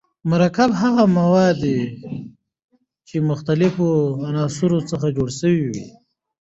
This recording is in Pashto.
مرکب هغه مواد دي چي د مختليفو عنصرونو څخه جوړ سوی وي.